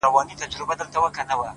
چي تابه وكړې راته ښې خبري”